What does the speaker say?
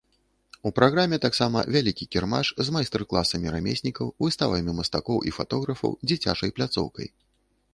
У праграме таксама вялікі кірмаш з майстар-класамі рамеснікаў, выставамі мастакоў і фатографаў, дзіцячай пляцоўкай.